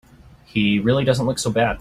He really doesn't look so bad.